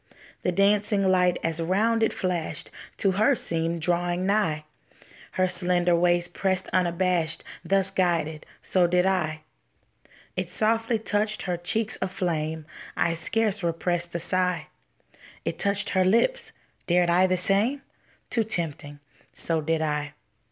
The dancing light as round it flashed To her seemed drawing nigh, Her slender waist pressed unabashed; Thus guided, so did I. It softly touched her cheeks aflame. I scarce repressed a sigh. It touched her lips. Dared I the same? Too tempting; so did I.